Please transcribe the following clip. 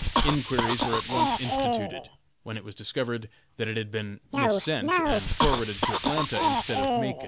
Inquiries were at once instituted, when it was discovered that it had been missent, and forwarded to Atlanta, instead of Macon.